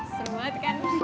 seru banget kan